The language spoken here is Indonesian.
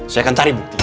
saya akan cari buktinya